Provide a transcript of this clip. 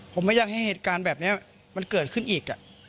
ผมไม่อยากให้เหตุการณ์แบบนี้มันเกิดขึ้นอีก